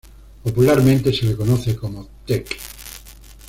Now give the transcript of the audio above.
Popularmente, se le conoce como "Tec".